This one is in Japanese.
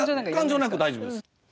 感情なくて大丈夫です。